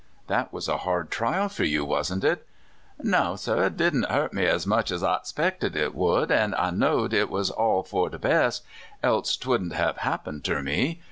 " That was a hard trial for you, wasn't it? "" No, sir; it didn't hurt me as much as I 'spected it would; an' I know'd it was all for de bes', else 'twouldn't have happened ter me.